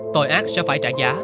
tội ác sẽ phải trả giá